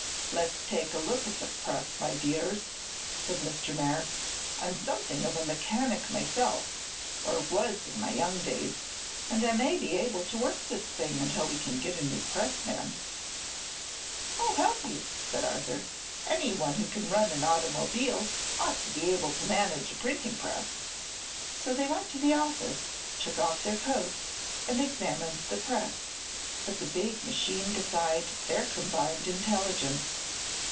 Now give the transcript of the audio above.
"Let's take a look at that press, my dears," said Mr. Merrick. "I'm something of a mechanic myself, or was in my young days, and I may be able to work this thing until we can get a new pressman." "I'll help you," said Arthur. "Anyone who can run an automobile ought to be able to manage a printing press." So they went to the office, took off their coats and examined the press; but the big machine defied their combined intelligence.